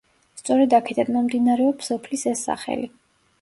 სწორედ აქედან მომდინარეობს სოფლის ეს სახელი.